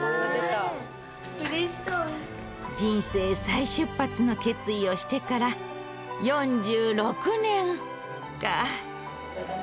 人生再出発の決意をしてから４６年か。